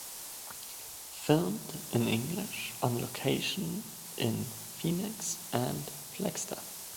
Filmed in English on location in Phoenix and Flagstaff.